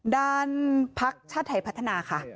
ด่านพชพัฒนาค่ะ